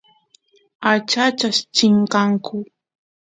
achachas chinkanku